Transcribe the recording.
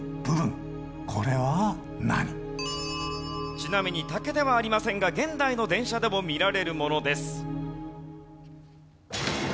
ちなみに竹ではありませんが現代の電車でも見られるものです。